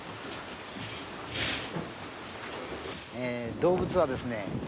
動物はですね